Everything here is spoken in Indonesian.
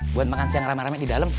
buat makan siang rame rame di dalam